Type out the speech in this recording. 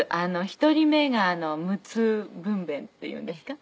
１人目が無痛分娩っていうんですか。